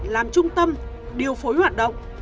làm trung tâm điều phối hoạt động